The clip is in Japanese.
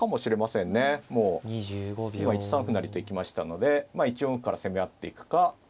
今１三歩成と行きましたので１四歩から攻め合っていくか。